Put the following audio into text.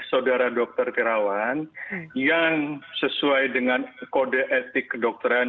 saudara dokter terawan yang sesuai dengan kode etik dokteran